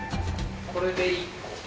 これで１個。